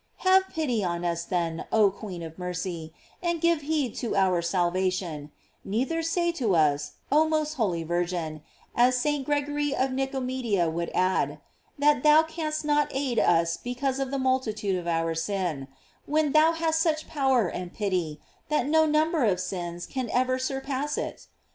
* Have pity on us, then, oh queen of mercy, and give heed to our salvation; neither say to us, oh most holy Virgin, as St. Gregory of Nico media would add, that thou canst not aid us be cause of the multitude of our sins, when thou hast such power and pity that no number of sins can ever surpass it!